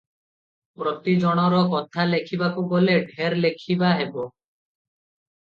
ପ୍ରତି ଜଣର କଥା ଲେଖିବାକୁ ଗଲେ ଢେର ଲେଖିବା ହେବ ।